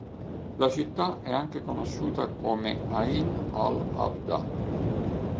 La città è anche conosciuta come Ayn al-ʿAwdah.